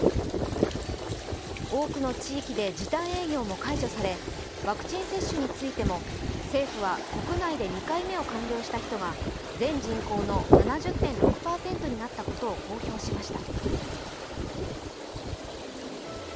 多くの地域で時短営業も解除され、ワクチン接種についても政府は国内で２回目を完了した人が全人口の７０．６％になったことを公表しました。